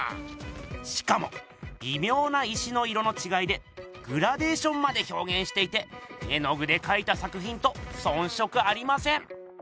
しかもびみょうな石の色のちがいでグラデーションまでひょうげんしていて絵の具でかいた作ひんとそんしょくありません。